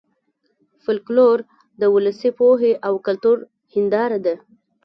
فولکلور د ولسي پوهې او کلتور هېنداره ده